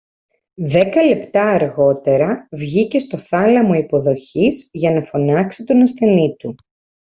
Δέκα λεπτά αργότερα βγήκε στο θάλαμο υποδοχής για να φωνάξει τον ασθενή του